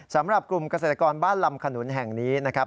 สำหรับกลุ่มเกษตรกรบ้านลำขนุนแห่งนี้นะครับ